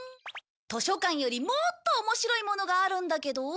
図書館よりもっと面白いものがあるんだけど？